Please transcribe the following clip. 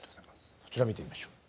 そちら見てみましょう。